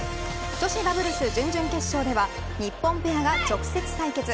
女子ダブルス準々決勝では日本ペアが直接対決。